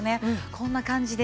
こんな感じで。